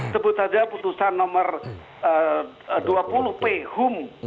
sebut saja putusan nomor dua puluh p hum